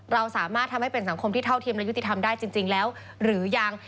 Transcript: เราสามารถทำให้เป็นสังคมที่เท่าเทียมและยุติธรรมได้จริงแล้วหรือยัง